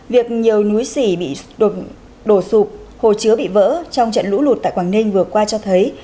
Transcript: việc nhiều núi sỉ bị đổ sụp hồ chứa bị vỡ trong trận lũ lụt tại quảng ninh vừa qua cho thấy